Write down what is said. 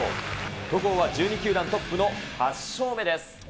戸郷は１２球団トップの８勝目です。